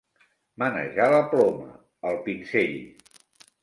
Manejar la ploma, el pinzell.